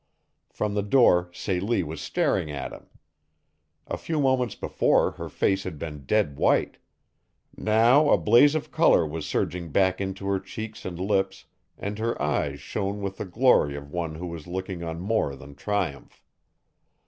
From the door Celie was staring at him. A few moments before her face had been dead white. Now a blaze of color was surging back into her cheeks and lips and her eyes shone with the glory of one who was looking on more than triumph.